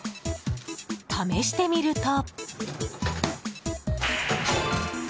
試してみると。